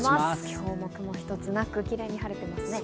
今日も雲一つなくキレイに晴れてますね。